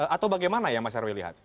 atau bagaimana yang mas nyarwi lihat